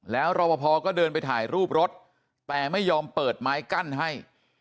แล้วรอปภก็เดินไปถ่ายรูปรถแต่ไม่ยอมเปิดไม้กั้นให้